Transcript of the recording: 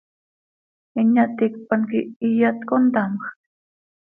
¿Inyaticpan quih iyat contamjc?